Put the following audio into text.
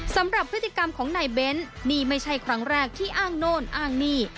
สำหรับพฤติกรรมของนายเบ้นนี่ไม่ใช่ครั้งแรกที่อ้างโน่นอ้างนี่